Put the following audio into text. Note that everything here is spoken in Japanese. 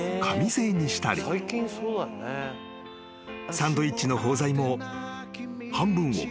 ［サンドイッチの包材も］